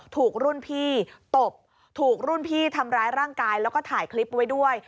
ถูกรุ่นพี่ตบถูกรุ่นพี่ทำร้ายร่างกายแล้วก็ถ่ายคลิปไว้ด้วย